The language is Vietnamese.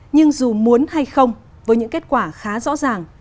nhưng dù muốn hay không với những kết quả khá rõ ràng